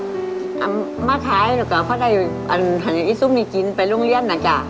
ตายเมื่อท้ายเราก็ได้อือเพราะได้อันฮรายสุ่มนี่กินไปโรงเรียนอะจ๊ะ